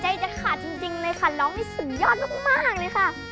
จะขาดจริงเลยค่ะน้องนี่สุดยอดมากเลยค่ะ